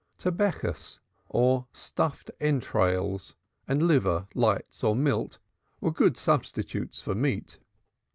Tabechas, or stuffed entrails, and liver, lights or milt were good substitutes for meat.